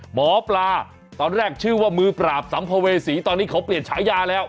หมอปลาตอนแรกชื่อว่ามือปราบสัมภเวษีตอนนี้เขาเปลี่ยนฉายาแล้ว